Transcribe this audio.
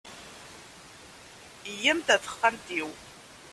Iyyamt ɣer texxamt-iw.